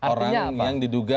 orang yang diduga